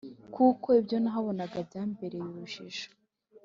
kuko ibyo nahabonaga byambereye urujijo,